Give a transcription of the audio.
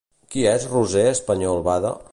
Qui és Roser Español Bada?